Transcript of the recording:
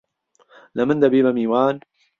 له من دهبی به میوان